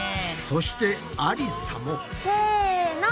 そしてありさも！せの！